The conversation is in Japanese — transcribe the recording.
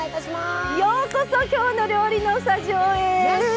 ようこそ「きょうの料理」のスタジオへ。